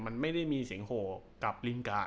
มันได้ไม่ได้มีเสียงโหกะว่ากลาง